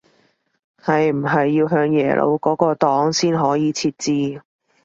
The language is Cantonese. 係唔係要向耶魯嗰個檔先可以設置